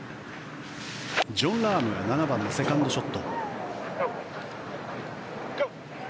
ジョン・ラーム７番、セカンドショット。